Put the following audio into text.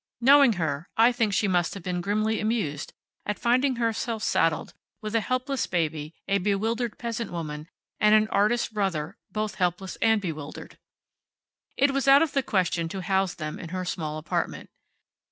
Knowing her, I think she must have been grimly amused at finding herself saddled with a helpless baby, a bewildered peasant woman, and an artist brother both helpless and bewildered. It was out of the question to house them in her small apartment.